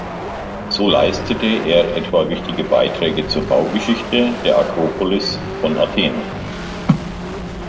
So leistete er etwa wichtige Beiträge zur Baugeschichte der Akropolis von Athen.